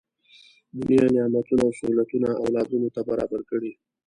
دنیا نعمتونه او سهولتونه اولادونو ته برابر کړي.